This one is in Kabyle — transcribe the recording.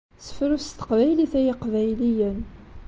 Sefrut s teqbaylit ay iqbayliyen!